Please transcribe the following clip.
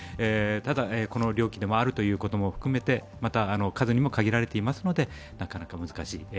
ただ、漁期であるということも含めて、限られていますのでなかなか難しい。